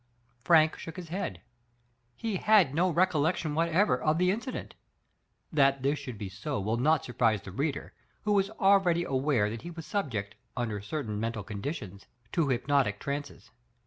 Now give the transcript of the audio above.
Frank shook his head ; he had no recollection whatever of the incident. That this should be so will not surprise the reader, who is already aware that he was subject, under certain mental condi; tions, to hypnotic trances.